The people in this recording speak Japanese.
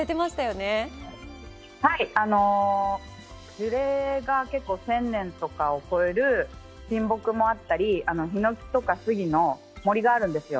樹齢が結構１０００年とかを超える神木もあったり、ヒノキとかスギの森があるんですよ。